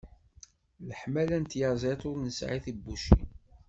Leḥmala n tyaziḍt ur nesɛi tibbucin.